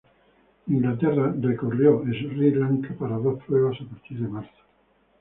Inglaterra recorrió Sri Lanka para dos pruebas a partir de marzo.